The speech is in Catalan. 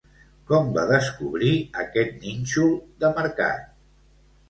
Com va descobrir aquest nínxol de mercat?